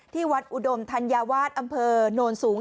วัดอุดมธัญวาสอำเภอโนนสูง